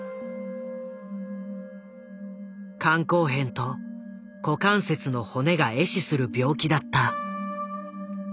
肝硬変と股関節の骨が壊死する病気だった。